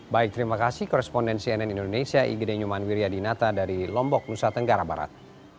baik terima kasih koresponden cnn indonesia igd nyoman wiryadinata dari lombok nusa tenggara barat